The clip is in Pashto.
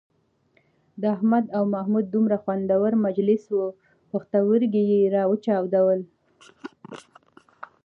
د احمد او محمد دومره خوندور مجلس وو پوښتورگي یې را وچاودل.